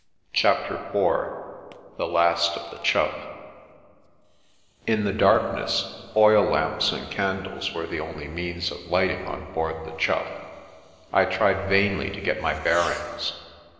CHAPTER IV THE LAST OF THE " CHOUGH *»;" IN the darkness (oil lamps and candles were the 01 means of lighting on board the Chough) I tr: vainly to get my bearings.